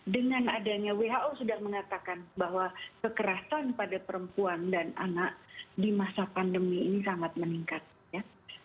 dengan adanya who sudah mengatakan bahwa kekerasan pada perempuan dan anak di masa pandemi ini sangat meningkat ya